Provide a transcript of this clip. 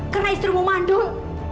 karena istrimu mandul